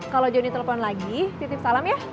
kalau joni telepon lagi titip salam ya